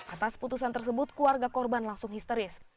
atas putusan tersebut keluarga korban langsung histeris